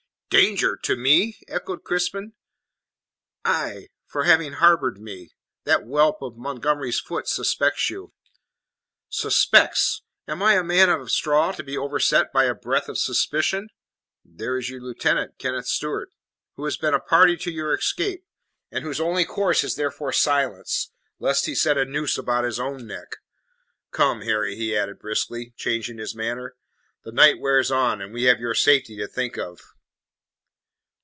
"Danger? To me?" echoed Crispin. "Aye for having harboured me. That whelp of Montgomery's Foot suspects you." "Suspects? Am I a man of straw to be overset by a breath of suspicion?" "There is your lieutenant, Kenneth Stewart." "Who has been a party to your escape, and whose only course is therefore silence, lest he set a noose about his own neck. Come, Harry," he added, briskly, changing his manner, "the night wears on, and we have your safety to think of."